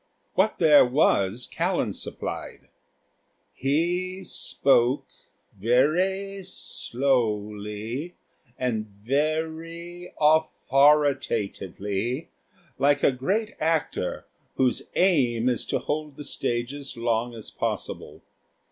What there was Callan supplied. He spoke very slowly and very authoritatively, like a great actor whose aim is to hold the stage as long as possible.